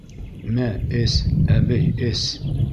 — Мә, эс, әбей, эс.